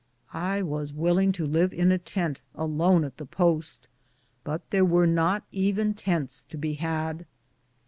I was willing to live in a tent alone at the post, but there were not even tents to be had.